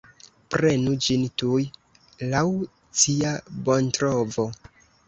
Prenu ĝin tuj, laŭ cia bontrovo.